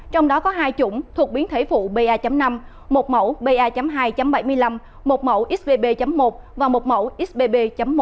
trong đó có hai chủng thuộc biến thể phụ pa năm một mẫu pa hai bảy mươi năm một mẫu xbb một và một mẫu xbb một năm